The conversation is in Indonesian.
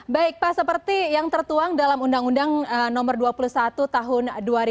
baik pak seperti yang tertuang dalam undang undang nomor dua puluh satu tahun dua ribu dua